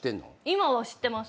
今は知ってます。